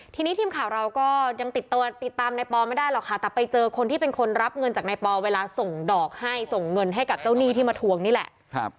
ทีนี้ทีมข่าวเราก็ยังติดติดตามในปอไม่ได้หรอกค่ะแต่ไปเจอคนที่เป็นคนรับเงินจากนายปอเวลาส่งดอกให้ส่งเงินให้กับเจ้าหนี้ที่มาทวงนี่แหละ